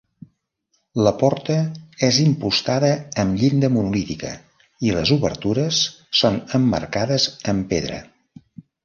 La porta és impostada amb llinda monolítica i les obertures són emmarcades amb pedra.